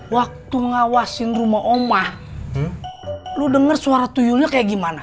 waktu ngawasin rumah omah lu denger suara tuyunya kayak gimana